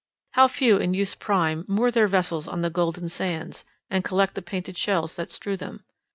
How few in youth's prime, moor their vessels on the "golden sands," and collect the painted shells that strew them.